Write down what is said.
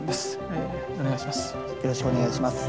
お願いします。